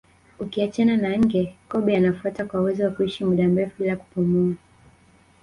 Ukiachana na nge kobe anafuata kwa uwezo wa kuishi muda mrefu bila kupumua